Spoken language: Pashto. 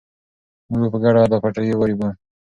موږ به په ګډه دا پټی ورېبو.